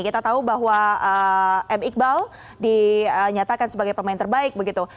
kita tahu bahwa m iqbal dinyatakan sebagai pemain terbaik begitu